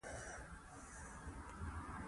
شاهانو د هغې غم نه کاوه.